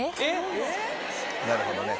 なるほどね。